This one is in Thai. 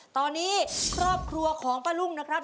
ตอนนี้ครอบครัวของป้ารุ่งนะครับ